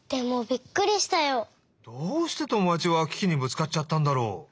どうしてともだちはキキにぶつかっちゃったんだろう？